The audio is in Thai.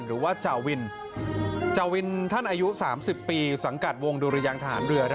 หรือว่าจาวินจาวินท่านอายุ๓๐ปีสังกัดวงดุรยังทหารเรือ